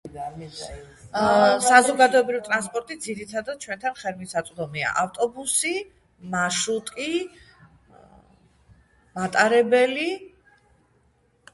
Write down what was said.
საზოგადოებრივი ტრანსპორტი ძირითადად ჩვენთან ხელმისაწვდომია მარშუტი ავტობუსი მატარებელი